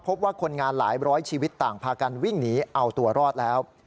คนงานหลายร้อยชีวิตต่างพากันวิ่งหนีเอาตัวรอดแล้ว